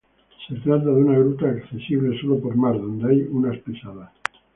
Se trata de una gruta accesible sólo por mar donde hay unas pisadas.